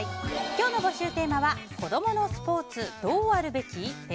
今日の募集テーマは子供のスポーツどうあるべき？